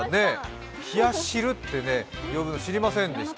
「ひやしる」って呼ぶの知りませんでした。